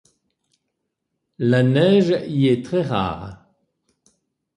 La neige y est très rare.